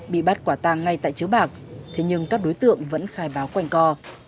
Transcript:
bị bắt quả tàng ngay tại chiếu bạc thế nhưng các đối tượng vẫn khai báo quanh co